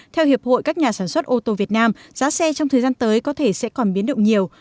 theo hiệp hội các nhà sản xuất ô tô việt nam giá xe trong thời gian tới có thể sẽ còn biến động nhiều